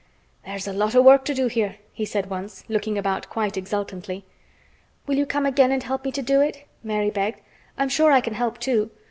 "There's a lot of work to do here!" he said once, looking about quite exultantly. "Will you come again and help me to do it?" Mary begged. "I'm sure I can help, too.